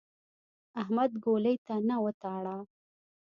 احمد ګولۍ ته نه وتاړه.